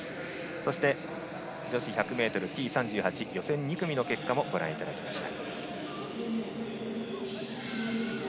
そして、女子１００ｍＴ３８予選２組の結果もご覧いただきました。